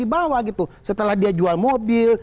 di bawah gitu setelah dia jual mobil